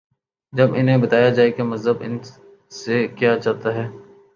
جب انہیں بتایا جائے کہ مذہب ان سے کیا چاہتا ہے۔